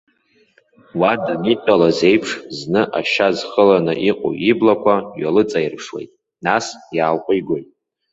Уа данидтәалаз еиԥш, зны, ашьа зхыланы иҟоу иблақәа ҩалыҵаирԥшуеит, нас иаалҟәигоит.